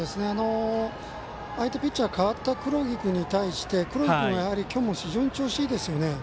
相手ピッチャー代わった黒木君に対して黒木君は、今日も非常に調子がいいですよね。